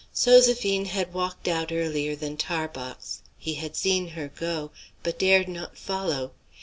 Zoséphine had walked out earlier than Tarbox. He had seen her go, but dared not follow.